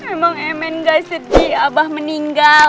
emang emen gak sedih abah meninggal